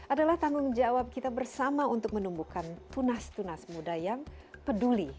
adalah tanggung jawab kita bersama untuk menumbuhkan tunas tunas muda yang peduli